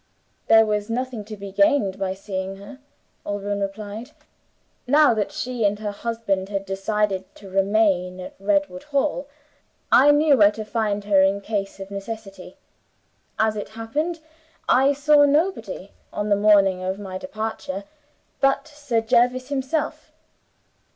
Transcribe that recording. "There was nothing to be gained by seeing her," Alban replied. "Now that she and her husband had decided to remain at Redwood Hall, I knew where to find her in case of necessity. As it happened I saw nobody, on the morning of my departure, but Sir Jervis himself.